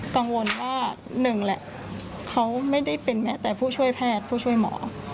กังวลว่าหนึ่งแหละเขาไม่ได้เป็นแม้แต่ผู้ช่วยแพทย์ผู้ช่วยหมอ